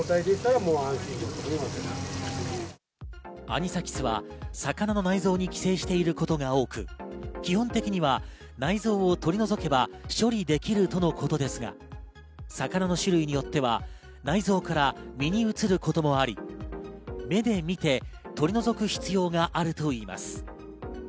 アニサキスは魚の内臓に寄生していることが多く、基本的には内臓を取り除けば処理できるとのことですが、魚の種類によっては内臓から身に移ることもあり、目で見て、取り除く必要があるといいます。